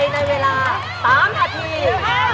ในเวลา๓นาที